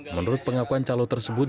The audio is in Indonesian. menurut pengakuan calo tersebut